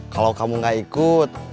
kalau kamu nggak ikut